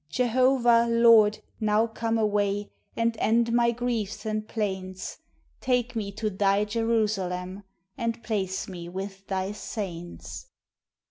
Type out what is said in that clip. Jehovah, Lord, now come away, And end my griefs and plaints Take me to Thy Jerusalem, And place me with Thy saints!